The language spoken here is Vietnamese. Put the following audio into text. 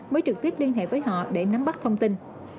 mới trực tiếp liên hệ với họ để nắm bắt thông tin